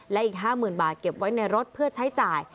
และอีก๕๐๐๐บาทเก็บไว้ในรถเพื่อใช้จ่าย